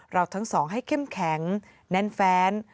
เราทั้งสองให้เข้มแข็งแน่นแฟน